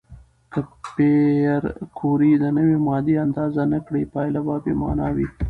که پېیر کوري د نوې ماده اندازه نه کړي، پایله به بې معنا وي.